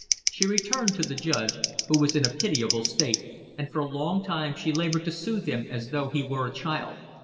She returned to the Judge, who was in a pitiable state, and for a long time she labored to soothe him as though he were a child.